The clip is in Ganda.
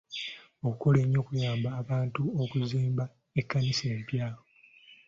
Okukola ennyo kuyambye abantu okuzimba ekkanisa empya.